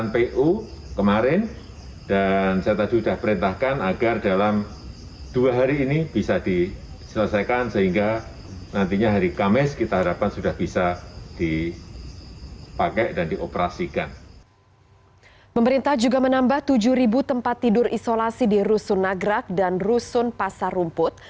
pemerintah juga menambah tujuh tempat tidur isolasi di rusun nagrak dan rusun pasar rumput